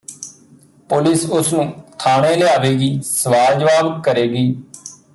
police ਉਸਨੂੰ ਥਾਣੇ ਲਿਆਵੇਗੀ ਸਵਾਲ ਜਵਾਬ ਕਰੇਗੀ